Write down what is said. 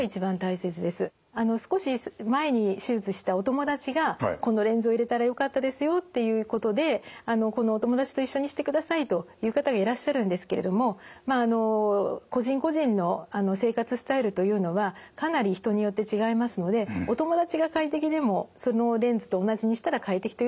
あの少し前に手術したお友達がこのレンズを入れたらよかったですよということでこのお友達と一緒にしてくださいと言う方がいらっしゃるんですけれどもまああの個人個人の生活スタイルというのはかなり人によって違いますのでお友達が快適でもそのレンズと同じにしたら快適というわけではないんですね。